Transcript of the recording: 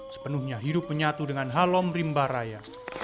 sepenuhnya hidup menyatu dengan halom rimba raya